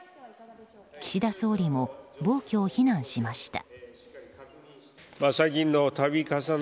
岸田総理も暴挙を非難しました。